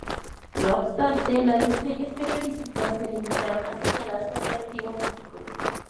No obstante, las reseñas periodísticas se limitaron a señalar su atractivo físico.